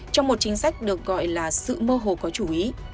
trong một chính sách được gọi là sự mơ hồ có chú ý